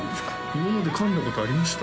今まで噛んだことありました？